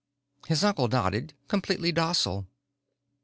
His uncle nodded, completely docile.